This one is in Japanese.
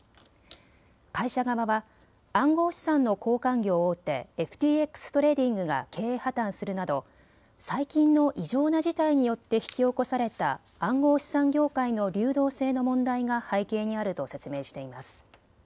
会社側は暗号資産の交換業大手、ＦＴＸトレーディングが経営破綻するなど最近の異常な事態によって引き起こされた暗号資産業界の流動性の問題が背景にあると説明しています。